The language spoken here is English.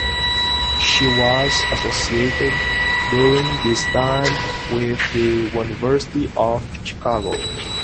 She was associated during this time with the University of Chicago.